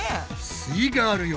すイガールよ！